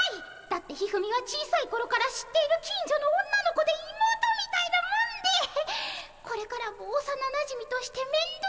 だって一二三は小さいころから知っている近所の女の子で妹みたいなもんでこれからもおさななじみとして面倒を。